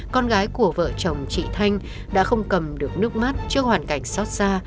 con gái của vợ chồng chị thanh đã không cầm được nước mắt trước hoàn cảnh xót xa